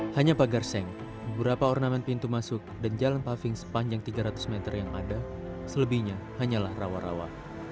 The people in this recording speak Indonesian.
hanya pagar seng beberapa ornamen pintu masuk dan jalan paving sepanjang tiga ratus meter yang ada selebihnya hanyalah rawa rawa